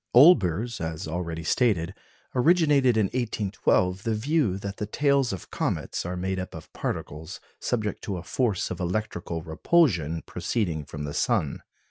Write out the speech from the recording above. Olbers, as already stated, originated in 1812 the view that the tails of comets are made up of particles subject to a force of electrical repulsion proceeding from the sun.